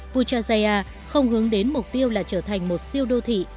puchaya không hướng đến mục tiêu là trở thành một siêu đô thị